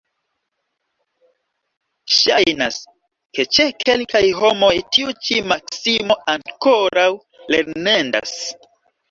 Ŝajnas, ke ĉe kelkaj homoj tiu ĉi maksimo ankoraŭ lernendas.